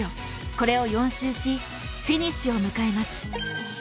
これを４周しフィニッシュを迎えます。